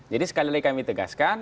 jadi sekali lagi kami tegaskan